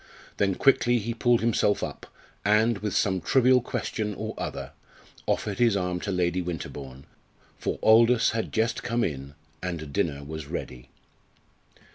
Then quickly he pulled himself up, and, with some trivial question or other, offered his arm to Lady Winterbourne, for Aldous had just come in, and dinner was ready.